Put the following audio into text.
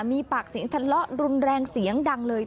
มีปากเสียงทะเลาะรุนแรงเสียงดังเลย